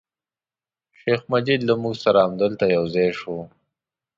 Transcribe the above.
شیخ مجید له موږ سره همدلته یو ځای شو.